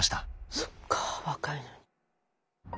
そっかぁ若いのに。